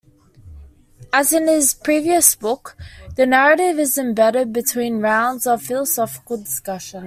As in his previous book, the narrative is embedded between rounds of philosophical discussion.